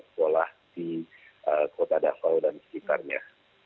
sekolah di kota davao dan sekitarnya